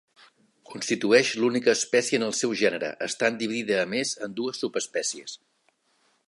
Constitueix l'única espècie en el seu gènere, estant dividida a més en dues subespècies.